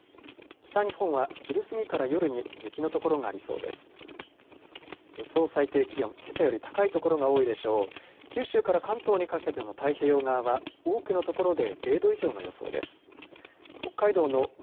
北日本は昼すぎから夜に雪の所がありそうです。